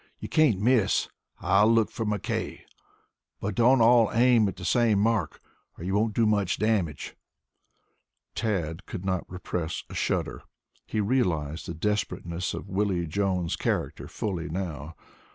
You can't miss. I'll look for McKay. But don't all aim at the same mark or you won't do much damage." Tad could not repress a shudder. He realized the desperateness of Willie Jones' character fully now.